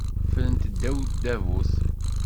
Ffrent ddaw tdabut.